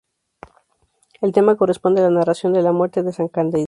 El tema corresponde a la narración de la muerte de san Cándido.